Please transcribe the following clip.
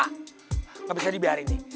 nggak bisa dibiarin nih